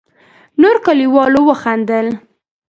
نورو کليوالو وخندل.